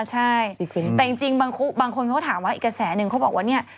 ใช่แต่จริงบางคนเขาก็ถามว่าอีกกระแสหนึ่งเขาบอกว่าเนี่ย